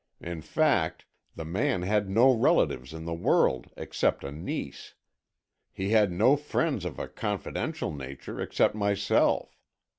In fact the man had no relatives in the world except a niece. He had no friends of a confidential nature except myself.